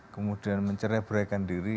kemudian mencerai berlakan diri